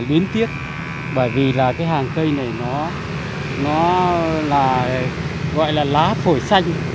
bởi vì là cái hàng cây này nó là gọi là lá phổi xanh